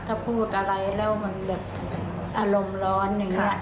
ถ้าพูดอะไรแล้วมันแบบอารมณ์ร้อนอย่างนี้